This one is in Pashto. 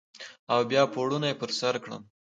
او بیا پوړنی پر سرکړم